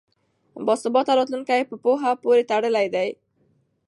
باثباته راتلونکی په پوهه پورې تړلی دی.